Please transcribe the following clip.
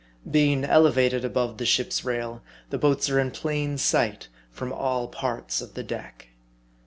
Being elevated above the ship's rail, the boats are in plain sight from all parts of the deck.